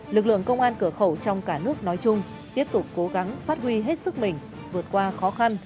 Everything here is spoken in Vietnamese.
lực lượng công an cửa khẩu trong cả nước nói chung tiếp tục cố gắng phát huy hết sức mình vượt qua khó khăn